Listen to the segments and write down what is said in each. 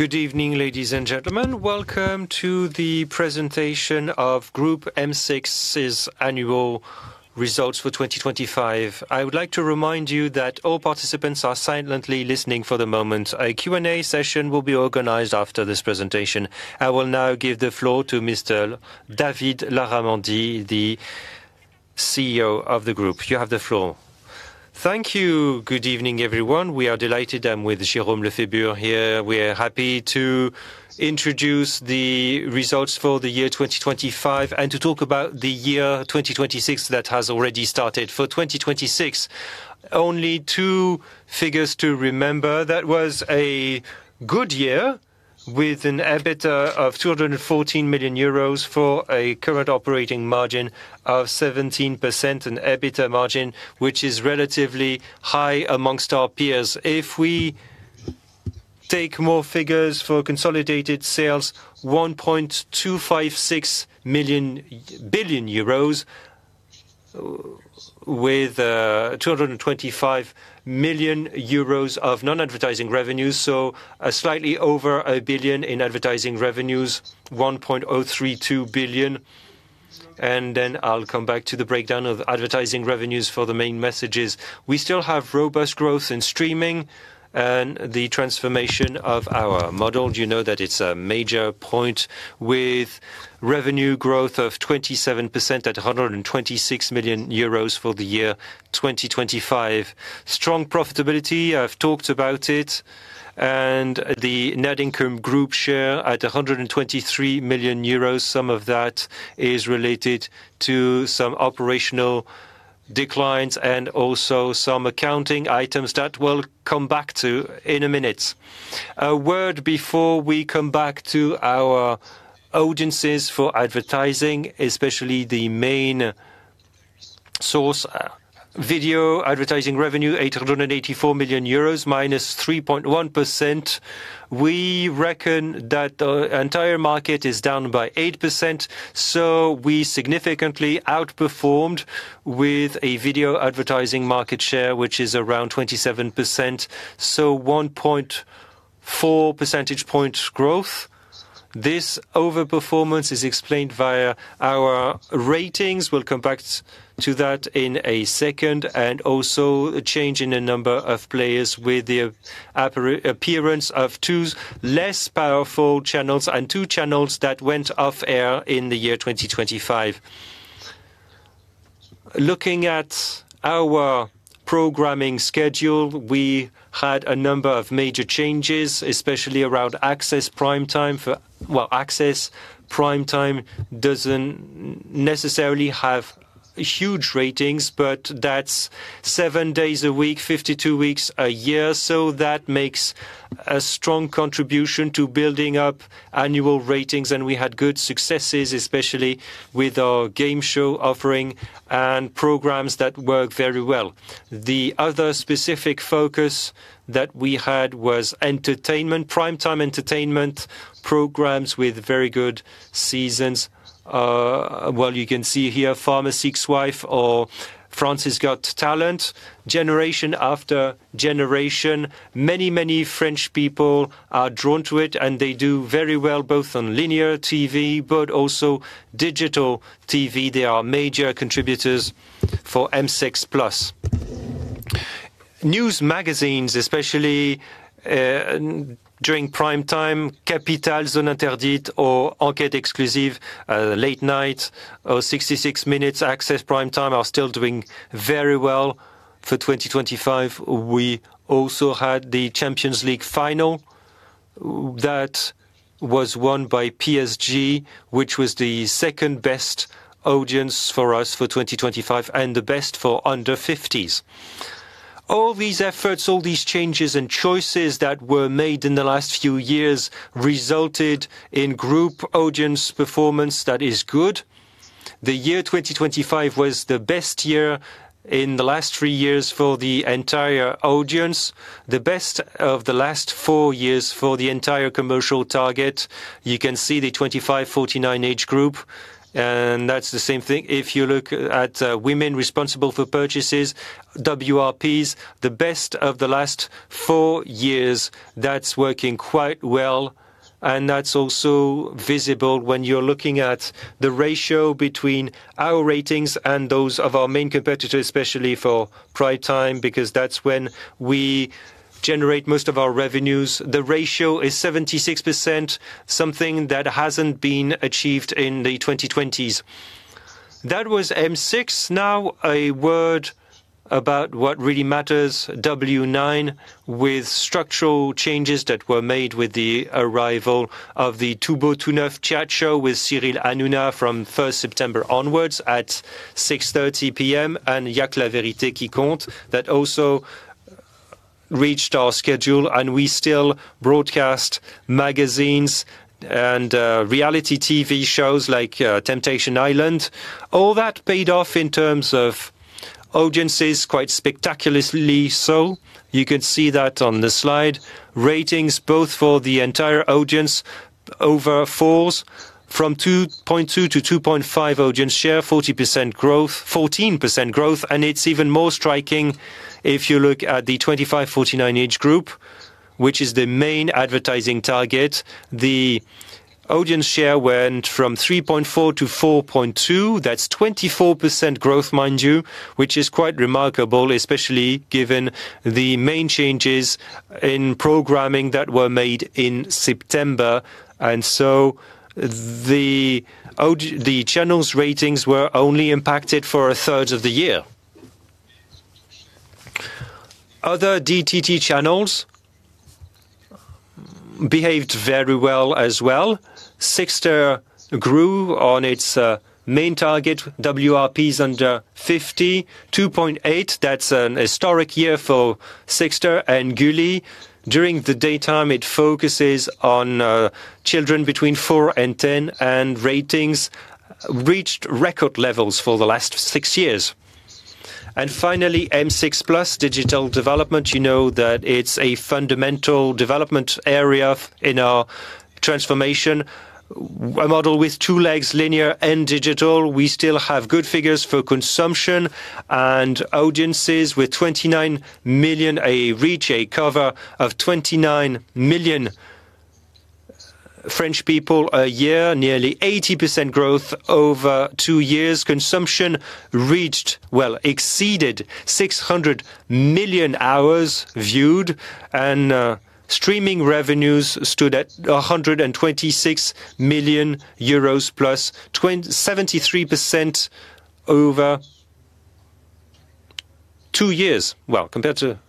Good evening, ladies and gentlemen. Welcome to the presentation of Groupe M6's Annual Results for 2025. I would like to remind you that all participants are silently listening for the moment. A Q&A session will be organized after this presentation. I will now give the floor to Mr. David Larramendy, the CEO of the group. You have the floor. Thank you. Good evening, everyone. We are delighted, I'm with Jérôme Lefébure here. We are happy to introduce the results for the year 2025, and to talk about the year 2026 that has already started. For 2026, only two figures to remember. That was a good year with an EBITDA of 214 million euros for a current operating margin of 17% and EBITDA margin, which is relatively high amongst our peers. If we take more figures for consolidated sales, 1.256 billion euros, with 225 million euros of non-advertising revenues, so a slightly over a billion in advertising revenues, 1.032 billion. Then I'll come back to the breakdown of advertising revenues for the main messages. We still have robust growth in streaming and the transformation of our model. Do you know that it's a major point with revenue growth of 27% at 126 million euros for the year 2025? Strong profitability, I've talked about it, and the net income group share at 123 million euros. Some of that is related to some operational declines and also some accounting items that we'll come back to in a minute. A word before we come back to our audiences for advertising, especially the main source, video advertising revenue, 884 million euros, -3.1%. We reckon that the entire market is down by 8%, so we significantly outperformed with a video advertising market share, which is around 27%, so 1.4 percentage points growth. This overperformance is explained via our ratings. We'll come back to that in a second, and also a change in the number of players with the appearance of two less powerful channels and two channels that went off air in the year 2025. Looking at our programming schedule, we had a number of major changes, especially around access prime time for... Well, access prime time doesn't necessarily have huge ratings, but that's seven days a week, 52 weeks a year, so that makes a strong contribution to building up annual ratings. We had good successes, especially with our game show offering and programs that work very well. The other specific focus that we had was entertainment, prime time entertainment programs with very good seasons. Well, you can see here, Pékin Express or France has Got Talent. Generation after generation, many, many French people are drawn to it, and they do very well, both on linear TV, but also digital TV. They are major contributors for M6+. News magazines, especially during Prime Time, Capital, Zone Interdite, or Enquête Exclusive, Late Night or 66 Minutes access prime time, are still doing very well. For 2025, we also had the Champions League final, that was won by PSG, which was the second best audience for us for 2025, and the best for under fifties. All these efforts, all these changes and choices that were made in the last few years, resulted in group audience performance that is good. The year 2025 was the best year in the last three years for the entire audience, the best of the last four years for the entire commercial target. You can see the 25-49 age group, and that's the same thing. If you look at women responsible for purchases, WRPs, the best of the last four years, that's working quite well, and that's also visible when you're looking at the ratio between our ratings and those of our main competitors, especially for prime time, because that's when we generate most of our revenues. The ratio is 76%, something that hasn't been achieved in the 2020s. That was M6. Now, a word about what really matters, W9, with structural changes that were made with the arrival of the tout beau, tout neuf chat show with Cyril Hanouna from September 1 onwards, at 6:30 P.M., and Y'a que la vérité qui compte, that also reached our schedule, and we still broadcast magazines and reality TV shows like Temptation Island. All that paid off in terms of audiences, quite spectacularly so. You can see that on the slide. Ratings, both for the entire audience 4+ from 2.2-2.5 audience share, 40% growth, 14% growth. And it's even more striking if you look at the 25-49 age group, which is the main advertising target. The audience share went from 3.4-4.2. That's 24% growth, mind you, which is quite remarkable, especially given the main changes in programming that were made in September. And so the channel's ratings were only impacted for a third of the year. Other DTT channels behaved very well as well. Sixte grew on its main target, WRPs under 50, 2.8. That's an historic year for Sixte and Gulli. During the daytime, it focuses on children between four and 10, and ratings reached record levels for the last six years. Finally, M6+ digital development. You know that it's a fundamental development area in our transformation, a model with two legs, linear and digital. We still have good figures for consumption and audiences, with 29 million, a reach, a cover of 29 million French people a year, nearly 80% growth over two years. Consumption reached, well, exceeded 600 million hours viewed, and streaming revenues stood at 126 million euros +73% over two years. Well, compared to last year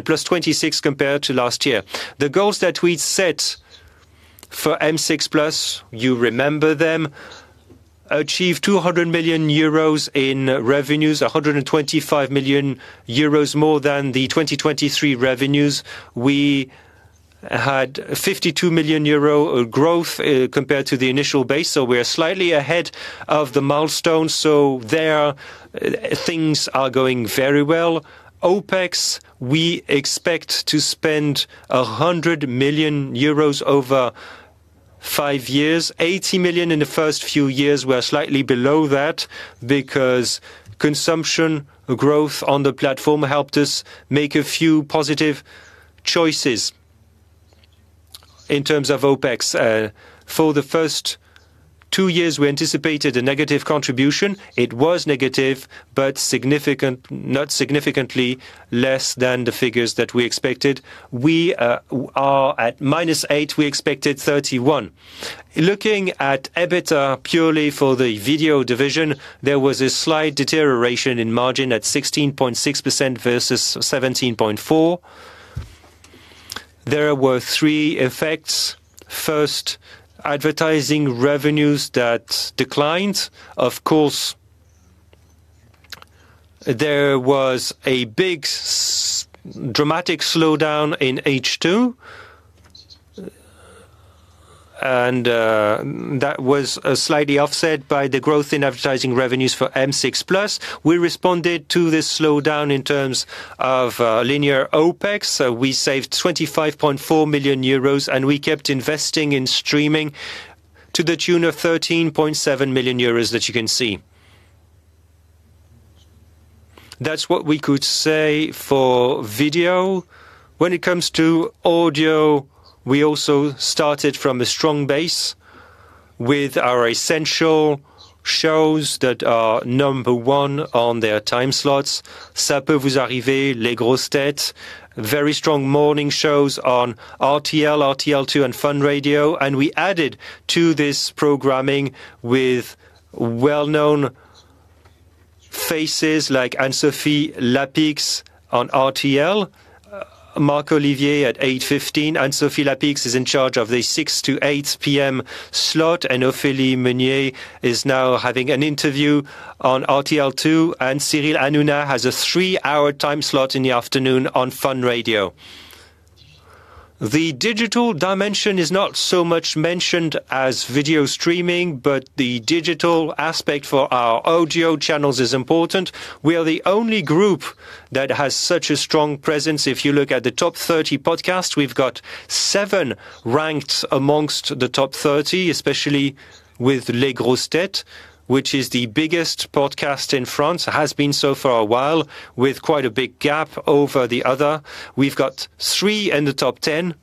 +26%. The goals that we'd set for M6+, you remember them, achieve 200 million euros in revenues, 125 million euros, more than the 2023 revenues. We had 52 million euro growth compared to the initial base, so we are slightly ahead of the milestone. So there, things are going very well. OpEx, we expect to spend 100 million euros over five years. 80 million in the first few years, we're slightly below that because consumption growth on the platform helped us make a few positive choices in terms of OpEx. For the first two years, we anticipated a negative contribution. It was negative, but significant, not significantly less than the figures that we expected. We are at -8 million, we expected 31 million. Looking at EBITDA, purely for the video division, there was a slight deterioration in margin at 16.6% versus 17.4%. There were three effects. First, advertising revenues that declined. Of course, there was a big dramatic slowdown in H2, and that was slightly offset by the growth in advertising revenues for M6+. We responded to this slowdown in terms of linear OpEx, so we saved 25.4 million euros, and we kept investing in streaming to the tune of 13.7 million euros that you can see. That's what we could say for video. When it comes to audio, we also started from a strong base with our essential shows that are number one on their time slots. Ca Peut Vous Arriver, Les Grosses Têtes, very strong morning shows on RTL, RTL2, and Fun Radio, and we added to this programming with well-known faces like Anne-Sophie Lapix on RTL, Marc-Olivier at 8:15, Anne-Sophie Lapix is in charge of the 6-8 P.M. slot, and Ophélie Meunier is now having an interview on RTL2, and Cyril Hanouna has a three hour time slot in the afternoon on Fun Radio. The digital dimension is not so much mentioned as video streaming, but the digital aspect for our audio channels is important. We are the only group that has such a strong presence. If you look at the top 30 podcasts, we've got seven ranked amongst the top 30, especially with Les Grosses Têtes, which is the biggest podcast in France, has been so for a while, with quite a big gap over the other. We've got three in the top 10,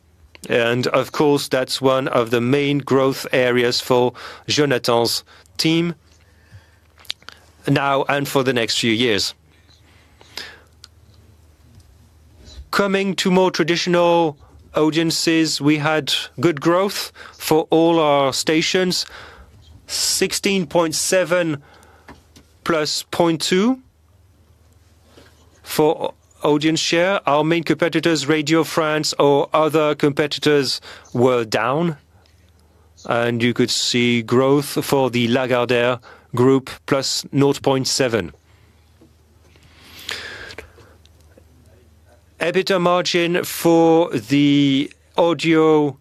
and of course, that's one of the main growth areas for Jonathan's team now and for the next few years. Coming to more traditional audiences, we had good growth for all our stations, 16.7% +0.2% for audience share. Our main competitors, Radio France or other competitors, were down, and you could see growth for the Lagardère Group, +0.7%. EBITDA margin for the audio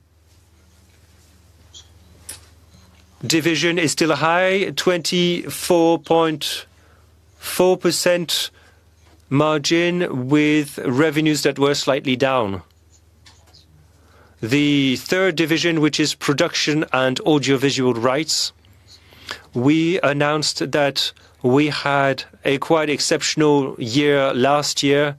division is still high, 24.4% margin with revenues that were slightly down. The third division, which is production and audiovisual rights, we announced that we had a quite exceptional year last year.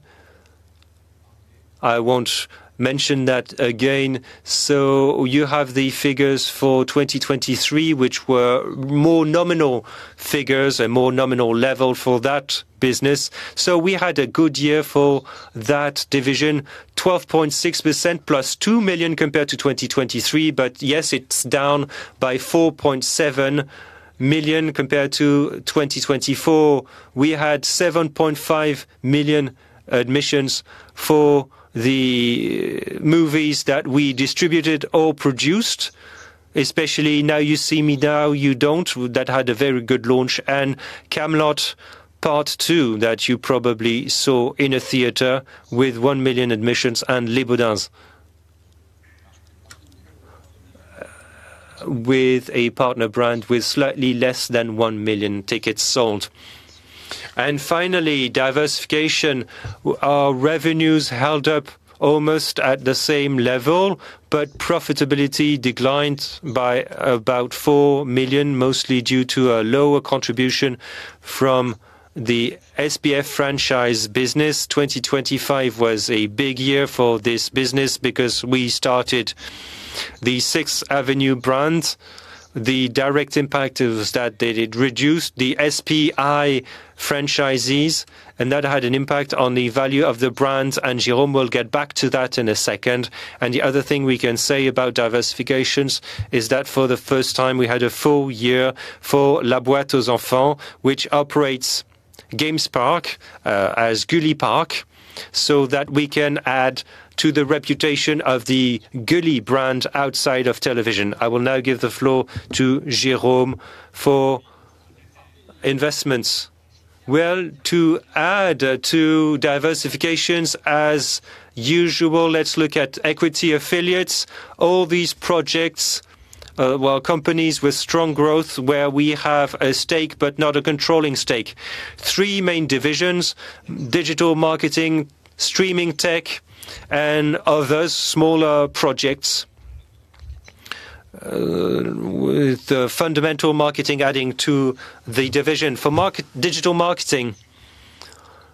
I won't mention that again. So you have the figures for 2023, which were more nominal figures and more nominal level for that business. So we had a good year for that division, 12.6% +2 million compared to 2023, but yes, it's down by 4.7 million compared to 2024. We had 7.5 million admissions for the movies that we distributed or produced, especially Now You See Me, Now You Don't, that had a very good launch, and Kaamelott: Part Two, that you probably saw in a theater with 1 million admissions, and Les Bodins, with a partner brand, with slightly less than 1 million tickets sold. Finally, diversification. Our revenues held up almost at the same level, but profitability declined by about 4 million, mostly due to a lower contribution from the SPF franchise business. 2025 was a big year for this business because we started the Sixth Avenue brand. The direct impact is that they did reduce the SPI franchisees, and that had an impact on the value of the brand, and Jérôme will get back to that in a second. The other thing we can say about diversifications is that for the first time, we had a full year for La Boîte aux Enfants, which operates Gulli Parc, so that we can add to the reputation of the Gulli brand outside of television. I will now give the floor to Jérôme for investments. Well, to add to diversifications as usual, let's look at equity affiliates. All these projects, well, companies with strong growth where we have a stake, but not a controlling stake. Three main divisions: digital marketing, streaming tech, and other smaller projects, with the fundamental marketing adding to the division. For digital marketing,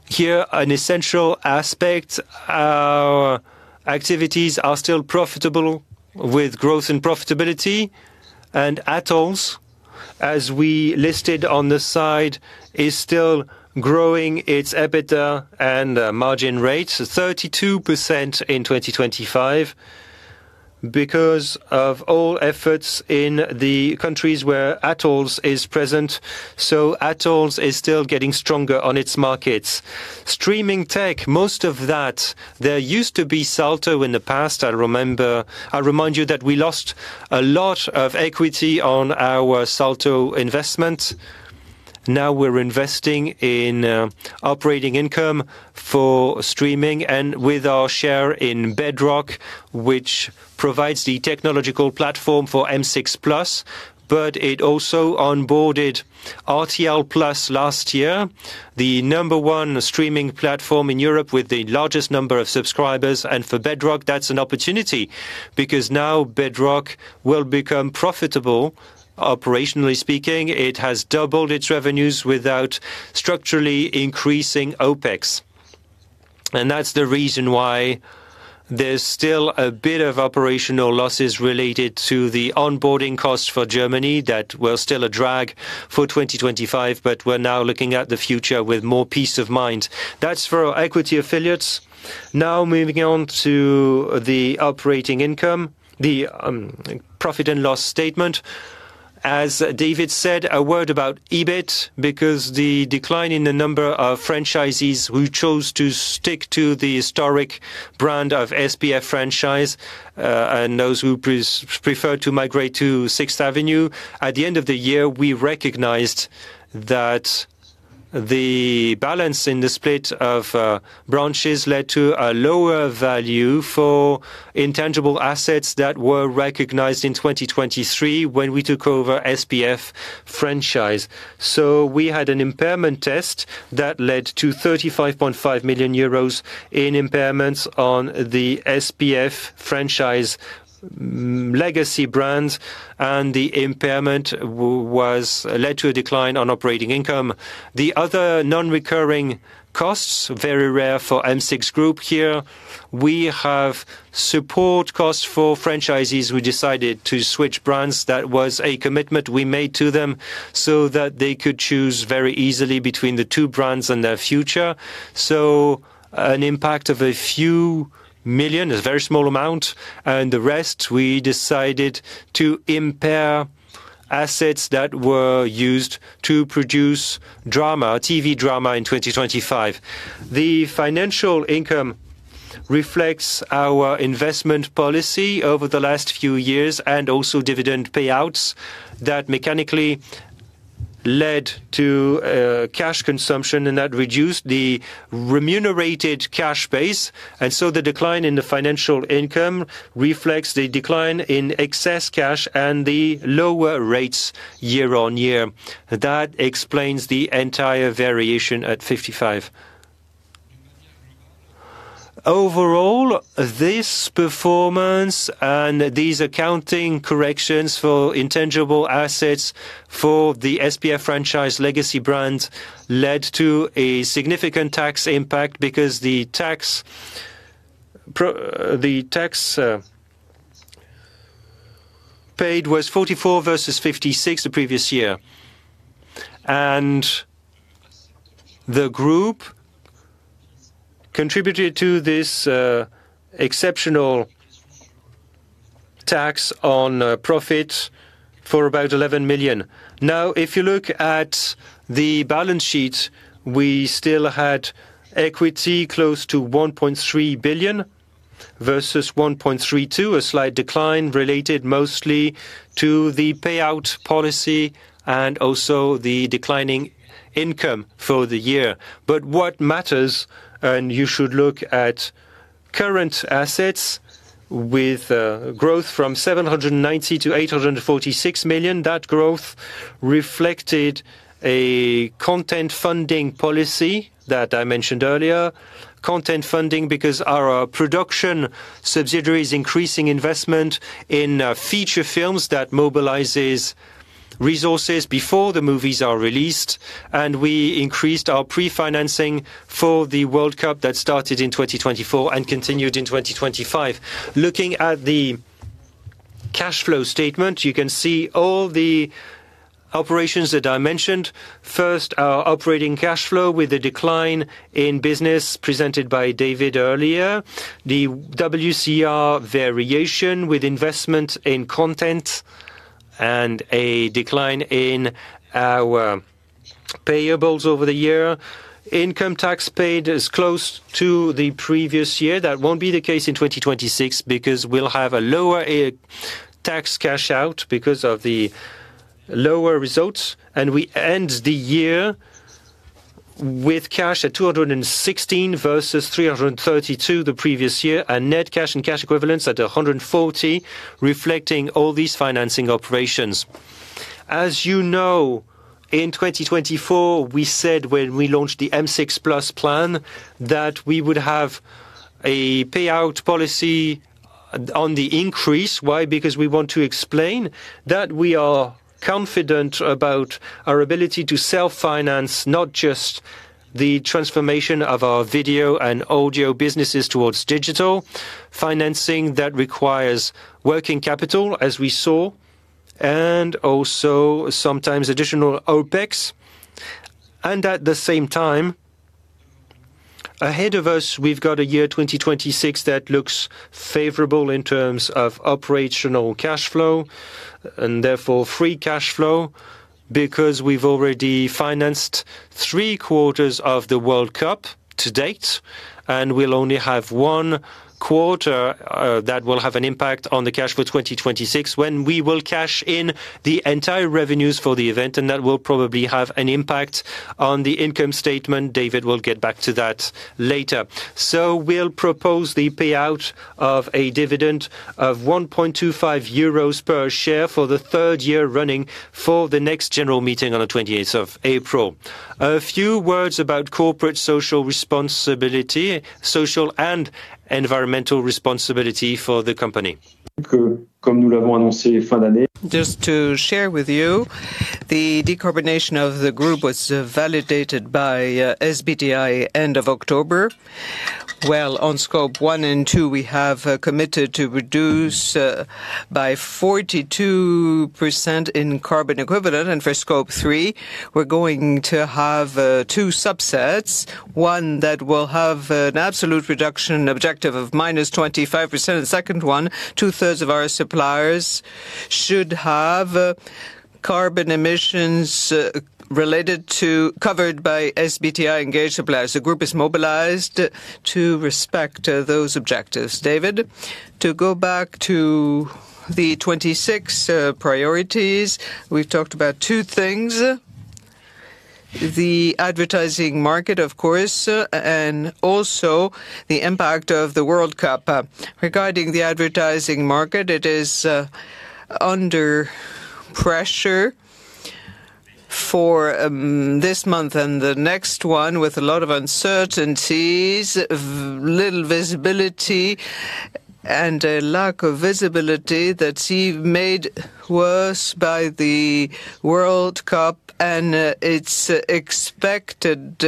here an essential aspect. Our activities are still profitable, with growth and profitability, and RTL, as we listed on this side, is still growing its EBITDA and margin rates to 32% in 2025 because of all efforts in the countries where RTL is present. So RTL is still getting stronger on its markets. Streaming tech, most of that, there used to be Salto in the past, I remember. I remind you that we lost a lot of equity on our Salto investment. Now we're investing in operating income for streaming and with our share in Bedrock, which provides the technological platform for M6+, but it also onboarded RTL+ last year, the number one streaming platform in Europe with the largest number of subscribers. And for Bedrock, that's an opportunity, because now Bedrock will become profitable. Operationally speaking, it has doubled its revenues without structurally increasing OpEx. That's the reason why there's still a bit of operational losses related to the onboarding costs for Germany that were still a drag for 2025, but we're now looking at the future with more peace of mind. That's for our equity affiliates. Now, moving on to the operating income, the profit and loss statement. As David said, a word about EBIT, because the decline in the number of franchisees who chose to stick to the historic brand of SPF franchise, and those who preferred to migrate to Sixth Avenue. At the end of the year, we recognized that the balance in the split of branches led to a lower value for intangible assets that were recognized in 2023 when we took over SPF franchise. So we had an impairment test that led to 35.5 million euros in impairments on the SPF franchise, legacy brands, and the impairment was led to a decline on operating income. The other non-recurring costs, very rare for M6 Group here, we have support costs for franchisees who decided to switch brands. That was a commitment we made to them so that they could choose very easily between the two brands and their future. So an impact of a few million, a very small amount, and the rest, we decided to impair assets that were used to produce drama, TV drama in 2025. The financial income reflects our investment policy over the last few years, and also dividend payouts that mechanically led to cash consumption, and that reduced the remunerated cash base. The decline in the financial income reflects the decline in excess cash and the lower rates year-on-year. That explains the entire variation at 55 million. Overall, this performance and these accounting corrections for intangible assets for the SPF franchise legacy brands led to a significant tax impact because the tax paid was 44 million versus 56 million the previous year, and the group contributed to this exceptional tax on profit for about 11 million. Now, if you look at the balance sheet, we still had equity close to 1.3 billion, versus 1.32 billion, a slight decline related mostly to the payout policy and also the declining income for the year. But what matters, and you should look at current assets with growth from 790 million-846 million. That growth reflected a content funding policy that I mentioned earlier. Content funding because our production subsidiary is increasing investment in feature films that mobilizes resources before the movies are released, and we increased our pre-financing for the World Cup that started in 2024 and continued in 2025. Looking at the cash flow statement, you can see all the operations that I mentioned. First, our operating cash flow with a decline in business presented by David earlier, the WCR variation with investment in content and a decline in our payables over the year. Income tax paid is close to the previous year. That won't be the case in 2026 because we'll have a lower tax cash out because of the lower results, and we end the year with cash at 216 versus 332 the previous year, and net cash and cash equivalents at 140, reflecting all these financing operations. As you know, in 2024, we said when we launched the M6+ plan, that we would have a payout policy on the increase. Why? Because we want to explain that we are confident about our ability to self-finance, not just the transformation of our video and audio businesses towards digital. Financing that requires working capital, as we saw, and also sometimes additional OpEx. At the same time, ahead of us, we've got a year 2026 that looks favorable in terms of operational cash flow and therefore free cash flow, because we've already financed three quarters of the World Cup to date, and we'll only have one quarter that will have an impact on the cash for 2026, when we will cash in the entire revenues for the event, and that will probably have an impact on the income statement. David will get back to that later. So we'll propose the payout of a dividend of 1.25 euros per share for the third year running for the next general meeting on the 20th of April. A few words about corporate social responsibility, social and environmental responsibility for the company. Just to share with you, the decarbonation of the group was validated by SBTi end of October. Well, on Scope 1 and 2, we have committed to reduce by 42% in carbon equivalent, and for Scope 3, we're going to have two subsets, one that will have an absolute reduction objective of minus 25%, and the second one, two-thirds of our suppliers should have carbon emissions related to covered by SBTi engaged suppliers. The group is mobilized to respect those objectives. David? To go back to the 26 priorities, we've talked about two things: the advertising market, of course, and also the impact of the World Cup. Regarding the advertising market, it is under pressure for this month and the next one, with a lot of uncertainties, little visibility, and a lack of visibility that's even made worse by the World Cup and its expected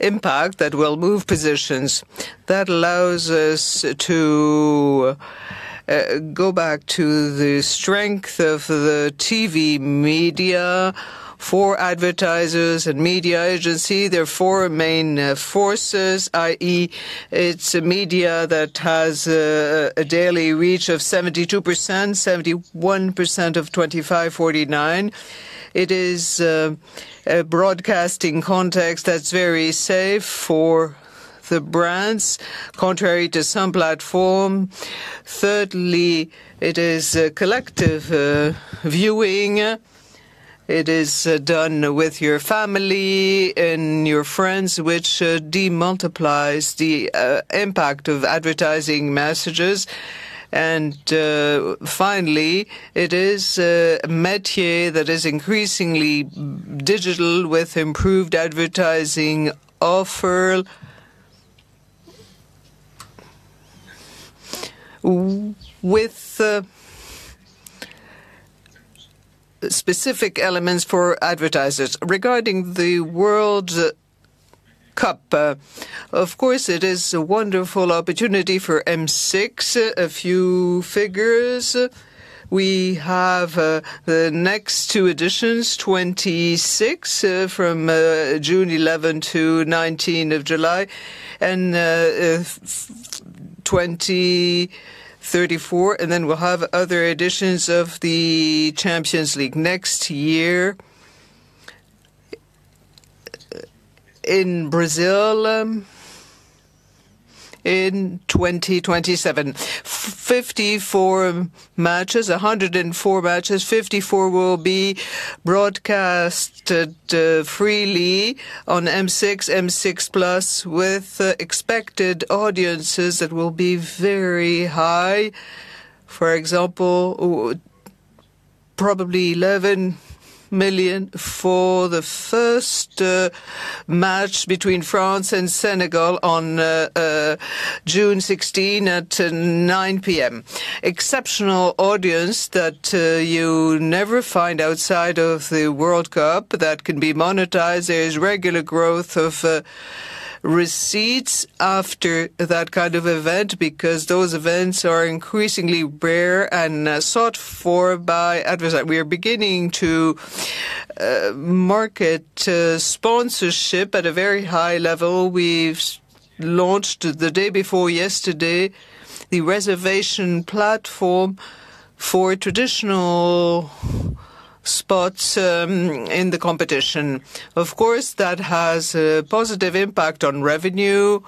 impact that will move positions. That allows us to go back to the strength of the TV media. For advertisers and media agency, there are four main forces, i.e., it's a media that has a daily reach of 72%, 71% of 25-49. It is a broadcasting context that's very safe for the brands, contrary to some platform... Thirdly, it is a collective viewing. It is done with your family and your friends, which demultiplies the impact of advertising messages. Finally, it is a métier that is increasingly digital with improved advertising offer, with specific elements for advertisers. Regarding the World Cup, of course, it is a wonderful opportunity for M6. A few figures, we have the next two editions, 2026 from June 11-19 of July, and 2034, and then we'll have other editions of the Champions League next year in Brazil, in 2027. 54 matches, 104 matches, 54 will be broadcasted freely on M6, M6+, with expected audiences that will be very high. For example, probably 11 million for the first match between France and Senegal on June 16 at 9 P.M. Exceptional audience that you never find outside of the World Cup that can be monetized. There is regular growth of receipts after that kind of event because those events are increasingly rare and sought for by advertisers. We are beginning to market sponsorship at a very high level. We've launched, the day before yesterday, the reservation platform for traditional spots in the competition. Of course, that has a positive impact on revenue.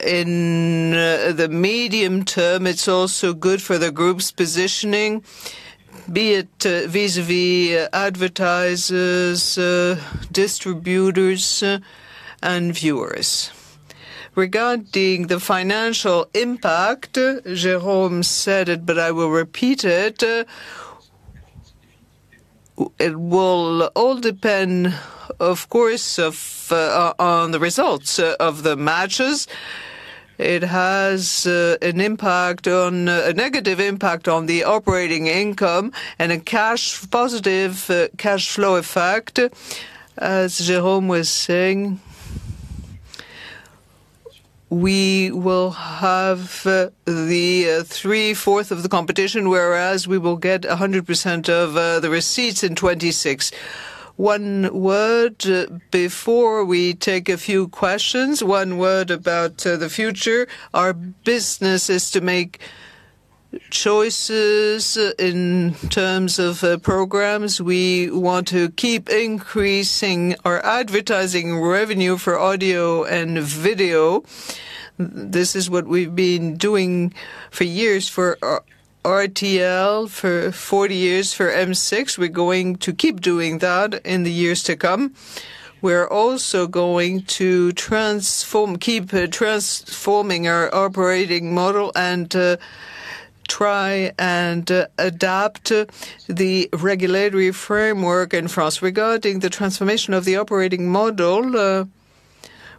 In the medium term, it's also good for the group's positioning, be it vis-à-vis advertisers, distributors, and viewers. Regarding the financial impact, Jérôme said it, but I will repeat it. It will all depend, of course, of on the results of the matches. It has an impact on, a negative impact on the operating income and a cash-positive cash flow effect. As Jérôme was saying, we will have the three-fourths of the competition, whereas we will get 100% of the receipts in 2026. One word before we take a few questions, one word about the future. Our business is to make choices in terms of programs. We want to keep increasing our advertising revenue for audio and video. This is what we've been doing for years for RTL, for 40 years for M6. We're going to keep doing that in the years to come. We're also going to transform, keep transforming our operating model and try and adapt the regulatory framework in France. Regarding the transformation of the operating model,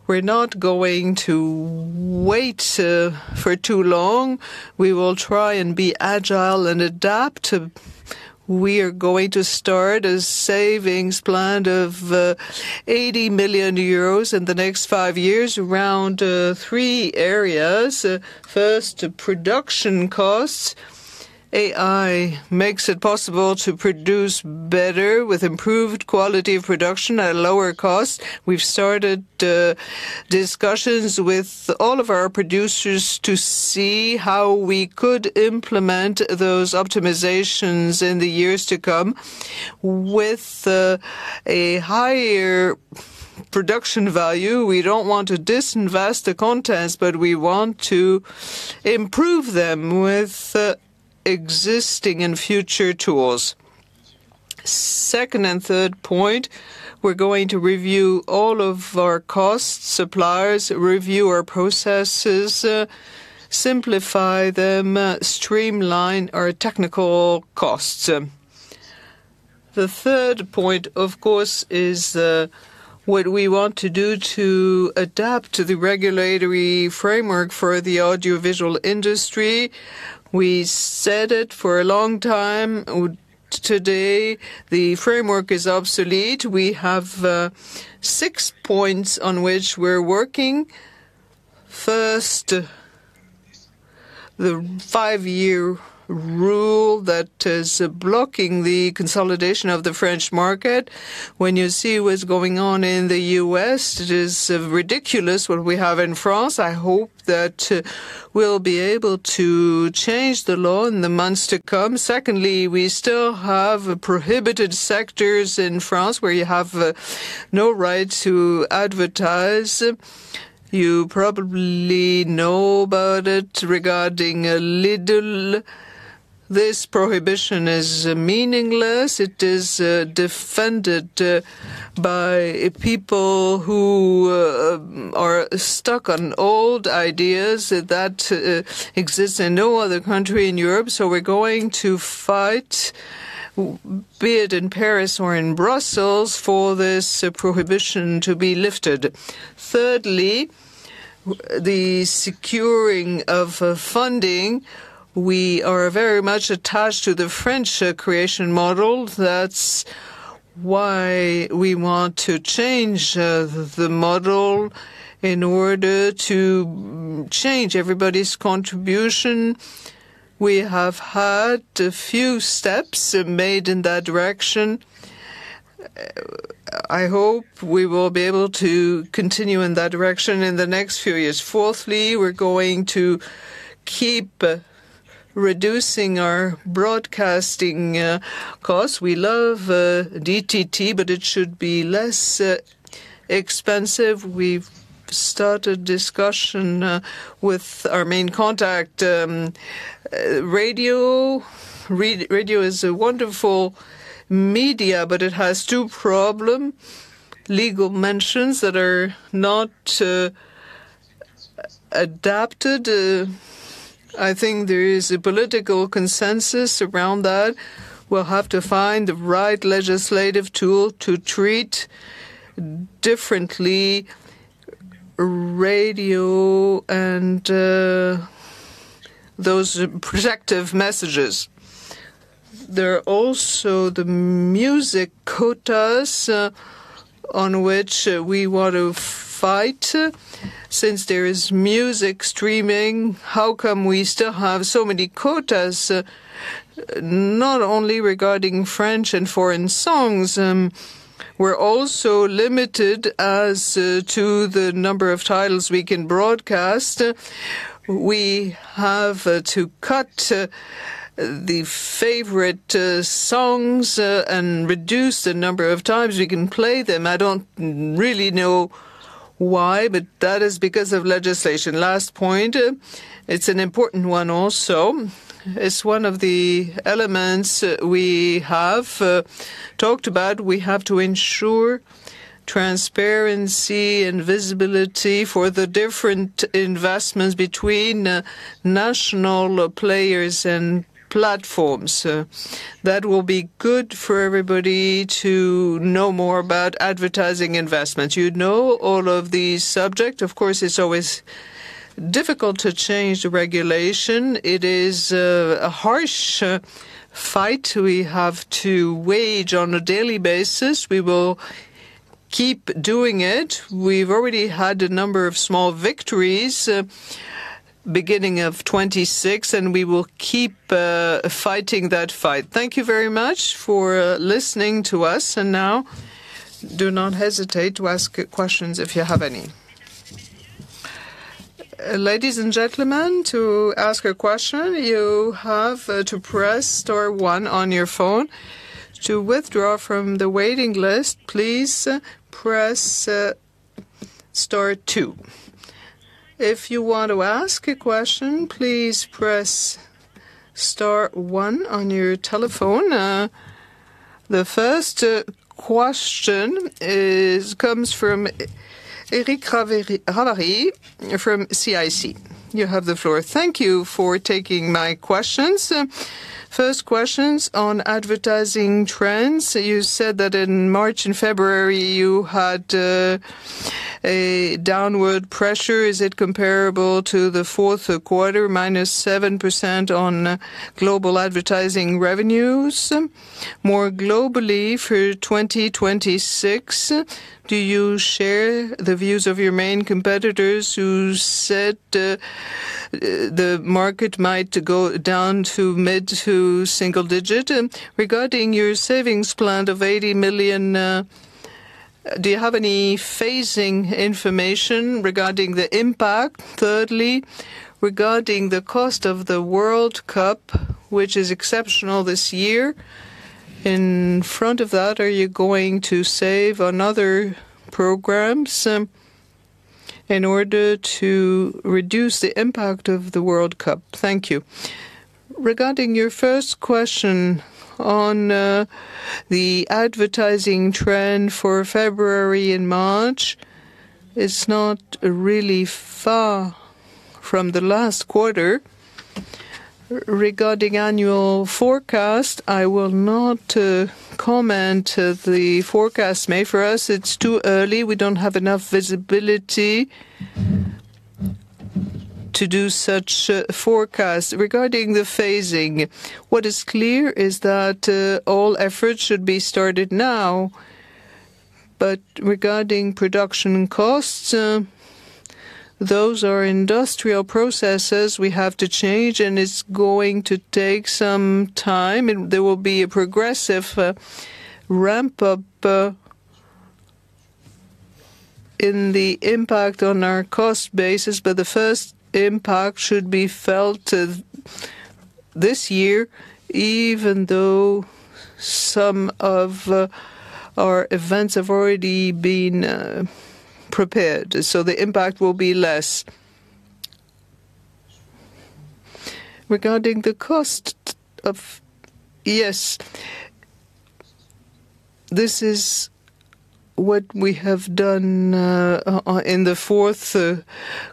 we're not going to wait for too long. We will try and be agile and adapt. We are going to start a savings plan of 80 million euros in the next five years around three areas. First, production costs. AI makes it possible to produce better with improved quality of production at a lower cost. We've started discussions with all of our producers to see how we could implement those optimizations in the years to come. With a higher production value, we don't want to disinvest the contents, but we want to improve them with existing and future tools. Second and third point, we're going to review all of our costs, suppliers, review our processes, simplify them, streamline our technical costs. The third point, of course, is what we want to do to adapt to the regulatory framework for the audiovisual industry. We said it for a long time. Today, the framework is obsolete. We have six points on which we're working. First, the five-year rule that is blocking the consolidation of the French market. When you see what's going on in the U.S., it is ridiculous what we have in France. I hope that we'll be able to change the law in the months to come. Secondly, we still have prohibited sectors in France where you have no right to advertise. You probably know about it regarding Lidl. This prohibition is meaningless. It is defended by people who are stuck on old ideas that exists in no other country in Europe. So we're going to fight, be it in Paris or in Brussels, for this prohibition to be lifted. Thirdly, the securing of funding. We are very much attached to the French creation model. That's why we want to change the model in order to change everybody's contribution. We have had a few steps made in that direction. I hope we will be able to continue in that direction in the next few years. Fourthly, we're going to keep reducing our broadcasting costs. We love DTT, but it should be less expensive. We've started discussion with our main contact, radio. Radio is a wonderful media, but it has two problem: legal mentions that are not adapted. I think there is a political consensus around that. We'll have to find the right legislative tool to treat differently radio and those projective messages. There are also the music quotas on which we want to fight. Since there is music streaming, how come we still have so many quotas, not only regarding French and foreign songs, we're also limited as to the number of titles we can broadcast. We have to cut the favorite songs and reduce the number of times we can play them. I don't really know why, but that is because of legislation. Last point, it's an important one also. It's one of the elements we have talked about. We have to ensure transparency and visibility for the different investments between national players and platforms. That will be good for everybody to know more about advertising investments. You know, all of these subject, of course, it's always difficult to change the regulation. It is a harsh fight we have to wage on a daily basis. We will keep doing it. We've already had a number of small victories, beginning of 26, and we will keep fighting that fight. Thank you very much for listening to us, and now do not hesitate to ask questions if you have any. Ladies and gentlemen, to ask a question, you have to press star one on your phone. To withdraw from the waiting list, please press star two. If you want to ask a question, please press star one on your telephone. The first question comes from Eric Ravary from CIC. You have the floor. Thank you for taking my questions. First questions on advertising trends. You said that in March and February, you had a downward pressure. Is it comparable to the fourth quarter, minus 7% on global advertising revenues? More globally, for 2026, do you share the views of your main competitors who said, the market might go down to mid- to single-digit? And regarding your savings plan of 80 million, do you have any phasing information regarding the impact? Thirdly, regarding the cost of the World Cup, which is exceptional this year, in front of that, are you going to save on other programs, in order to reduce the impact of the World Cup? Thank you. Regarding your first question on, the advertising trend for February and March, it's not really far from the last quarter. Regarding annual forecast, I will not, comment the forecast made for us. It's too early. We don't have enough visibility to do such, forecast. Regarding the phasing, what is clear is that, all efforts should be started now. But regarding production costs, those are industrial processes we have to change, and it's going to take some time, and there will be a progressive ramp up in the impact on our cost basis. But the first impact should be felt this year, even though some of our events have already been prepared, so the impact will be less. Regarding the cost of. Yes, this is what we have done in the fourth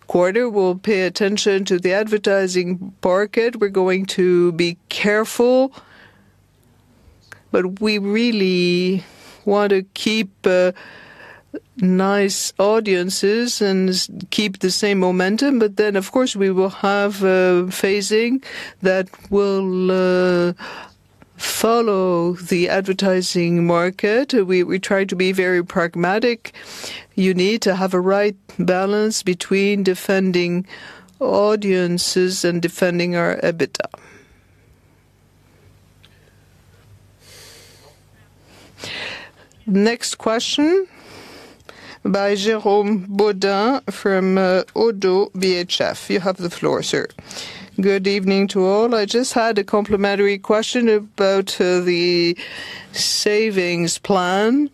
quarter. We'll pay attention to the advertising market. We're going to be careful, but we really want to keep nice audiences and keep the same momentum. But then, of course, we will have a phasing that will follow the advertising market. We try to be very pragmatic. You need to have a right balance between defending audiences and defending our EBITDA. Next question by Jérôme Bodin from Oddo BHF. You have the floor, sir. Good evening to all. I just had a complimentary question about the savings plan.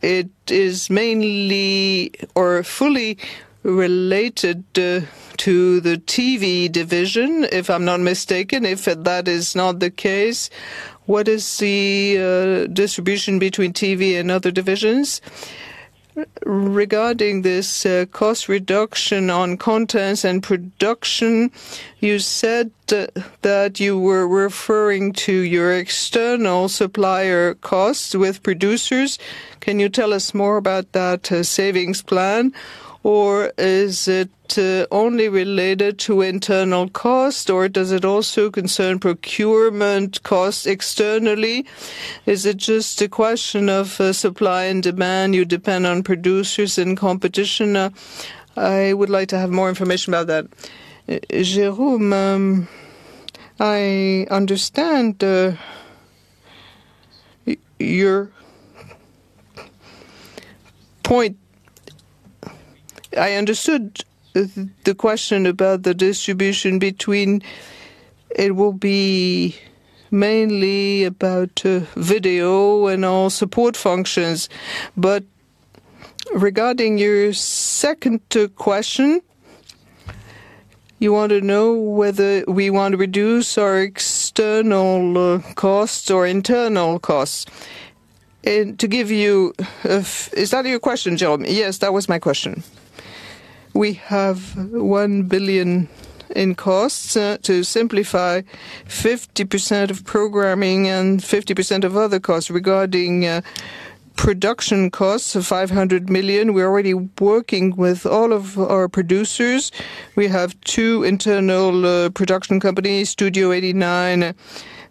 It is mainly or fully related to the TV division, if I'm not mistaken. If that is not the case, what is the distribution between TV and other divisions? Regarding this cost reduction on contents and production, you said that you were referring to your external supplier costs with producers. Can you tell us more about that savings plan? Or is it only related to internal cost, or does it also concern procurement costs externally? Is it just a question of supply and demand, you depend on producers and competition? I would like to have more information about that. Jérôme, I understand your point. I understood the question about the distribution between... It will be mainly about video and all support functions. But regarding your second question, you want to know whether we want to reduce our external costs or internal costs. To give you... Is that your question, Jerome? Yes, that was my question. We have 1 billion in costs. To simplify, 50% of programming and 50% of other costs. Regarding production costs of 500 million, we're already working with all of our producers. We have two internal production companies, Studio 89,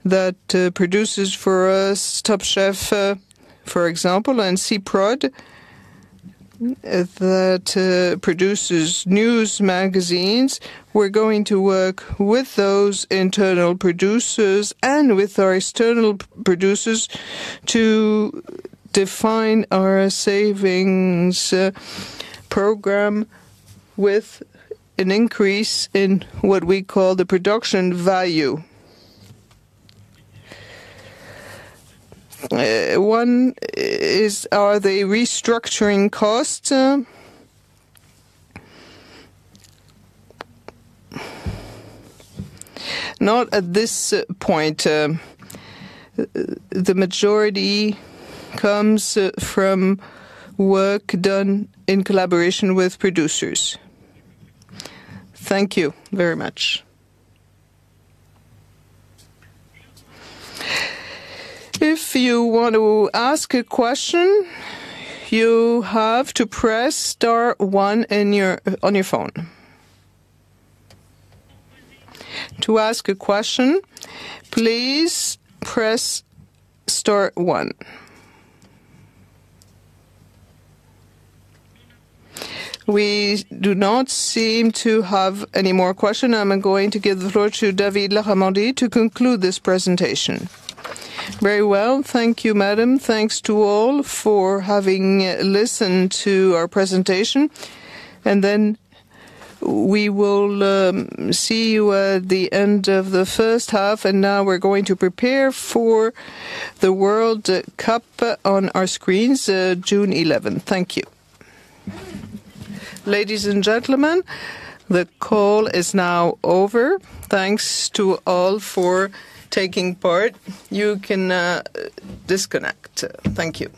that produces for us, Top Chef, for example, and CPROD, that produces news magazines. We're going to work with those internal producers and with our external producers to define our savings program with an increase in what we call the production value. One, is are they restructuring costs? Not at this point. The majority comes from work done in collaboration with producers. Thank you very much. If you want to ask a question, you have to press star one in your, on your phone. To ask a question, please press star one. We do not seem to have any more question. I'm going to give the floor to David Larramendy to conclude this presentation. Very well. Thank you, Madam. Thanks to all for having listened to our presentation, and then we will see you at the end of the first half. Now we're going to prepare for the World Cup on our screens, June 11. Thank you. Ladies and gentlemen, the call is now over. Thanks to all for taking part. You can disconnect. Thank you.